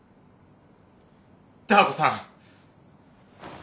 ダー子さん。